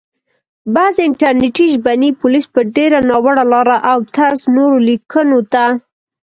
بعضي انټرنټي ژبني پوليس په ډېره ناوړه لاره او طرز نورو ليکونکو ته